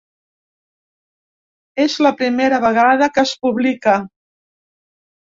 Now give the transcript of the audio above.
És la primera vegada que es publica.